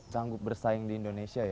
sanggup bersaing di indonesia